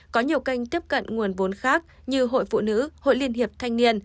có nhiều kênh tiếp cận nguồn vốn khác như hội phụ nữ hội liên hiệp thanh niên